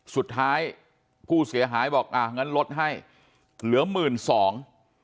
สุดท้ายผู้เสียหายบอกอ่างั้นลดให้เหลือหมื่นสอง